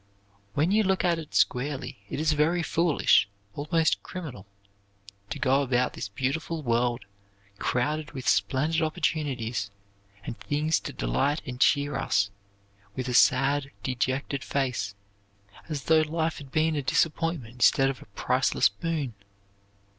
When you look at it squarely, it is very foolish almost criminal to go about this beautiful world, crowded with splendid opportunities, and things to delight and cheer us, with a sad, dejected face, as though life had been a disappointment instead of a priceless boon.